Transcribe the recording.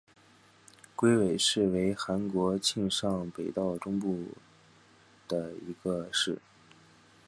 龟尾市为韩国庆尚北道中西部的一个市。